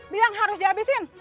bilang harus dihabisin